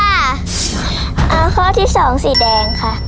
เอาข้อที่๒สีแดงค่ะ